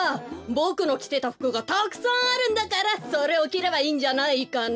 ボクのきてたふくがたくさんあるんだからそれをきればいいんじゃないかな？